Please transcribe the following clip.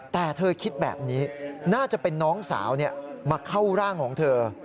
แต่เธอคิดแบบนี้น่าจะเป็นน้องสาวมาเข้าร่างของเธอ